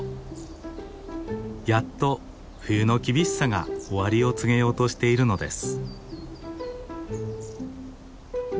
やっと冬の厳しさが終わりを告げようとしているのです。